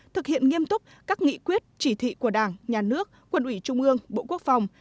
thực hiện nghiêm túc các nghị quyết chỉ thị của đảng nhà nước quân ủy trung ương bộ quốc phòng